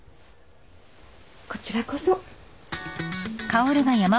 こちらこそ。